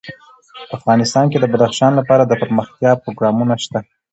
افغانستان کې د بدخشان لپاره دپرمختیا پروګرامونه شته.